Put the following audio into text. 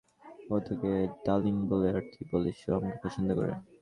ও তোকে ডার্লিং বলে আর তুই বলিস ও আমাকে পছন্দ করে!